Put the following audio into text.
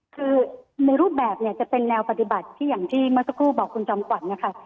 คือในรูปแบบเนี่ยจะเป็นแนวปฏิบัติที่อย่างที่เมื่อสักครู่บอกคุณจอมขวัญนะคะ